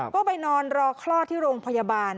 ก็ไปนอนรอคลอดที่โรงพยาบาล